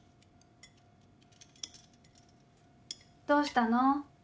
どうしたの？